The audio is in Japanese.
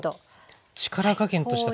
力加減としては。